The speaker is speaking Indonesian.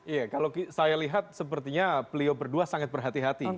iya kalau saya lihat sepertinya beliau berdua sangat berhati hati